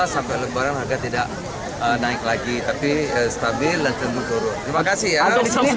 sampai lebaran harga tidak naik lagi tapi stabil dan cenderung turun